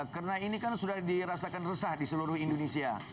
karena ini kan sudah dirasakan resah di seluruh indonesia